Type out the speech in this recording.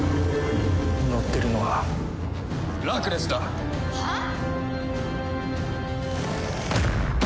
乗ってるのはラクレスだ。はあ！？